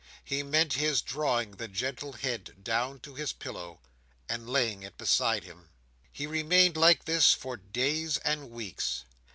He meant his drawing the gentle head down to his pillow, and laying it beside him. He remained like this for days and weeks.